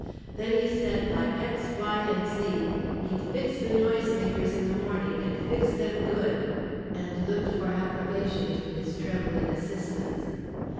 Then he said by X Y and Z he'd fix the noisemakers in the morning and fix them good—and looked for approbation to his trembling assistants.